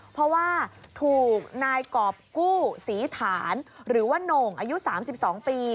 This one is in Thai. เพราะว่าถูกนายกรอบกู้ศรีฐานหรือว่าโหน่งอายุ๓๒ปี